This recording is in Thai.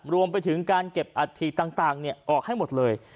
รวมไปถึงการเก็บอัฐิต่างออกให้หมดเลย